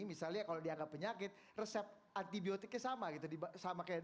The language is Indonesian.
misalnya kalau dianggap penyakit resep antibiotiknya sama gitu sama kayak